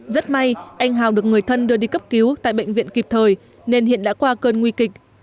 rất may anh hào được người thân đưa đi cấp cứu tại bệnh viện kịp thời nên hiện đã qua cơn nguy kịch